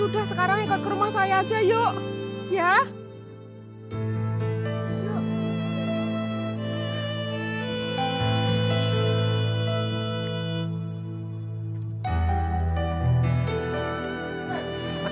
terima kasih ibu